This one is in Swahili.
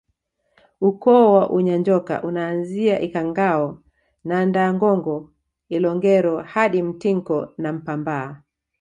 Ukoo wa Unyanjoka unaanzia Ikhangao na Ndaangongo Ilongero hadi Mtinko na Mpambaa